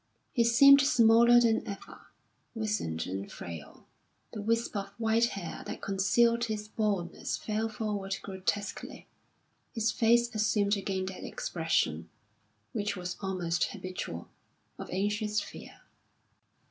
He seemed smaller than ever, wizened and frail; the wisp of white hair that concealed his baldness fell forward grotesquely. His face assumed again that expression, which was almost habitual, of anxious fear.